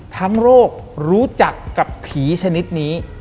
ทั้งโลกรู้จักกับผีชนิดนี้